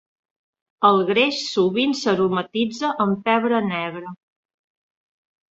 El greix sovint s'aromatitza amb pebre negre.